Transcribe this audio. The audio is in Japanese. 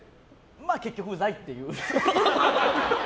結局、うざいっていう。